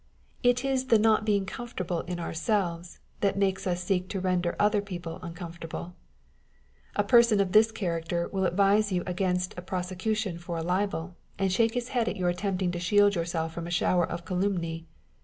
It is the not being comfortable in our eelves, that makes us seek to render other people uncom fortable. A person of this character will advise you against a prosecution for a libel, and shake his head at your attempting to shield yourself from a shower of calumny.